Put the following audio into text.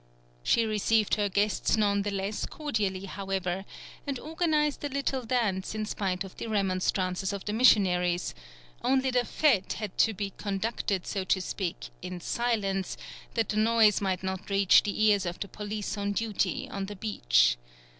She received her guests none the less cordially however, and organized a little dance in spite of the remonstrances of the missionaries; only the fête had to be conducted so to speak in silence, that the noise might not reach the ears of the police on duty on the beach.